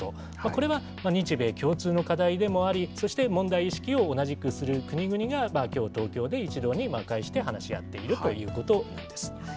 これは日米共通の課題でもあり、そして、問題意識を同じくする国々がきょう、東京で一堂に会して話し合っているということです。